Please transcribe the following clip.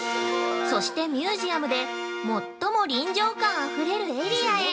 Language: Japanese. ◆そしてミュージアムで最も臨場感あふれるエリアへ。